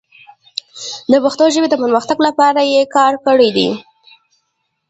د پښتو ژبې د پرمختګ لپاره یې کار کړی دی.